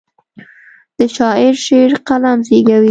د شاعر شعر قلم زیږوي.